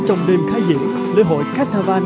trong đêm khai diễn lễ hội carnival